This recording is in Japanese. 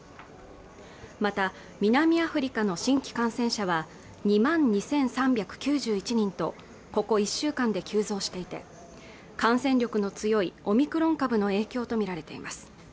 また南アフリカの新規感染者は２万２３９１人とここ１週間で急増していて感染力の強いオミクロン株の影響と見られています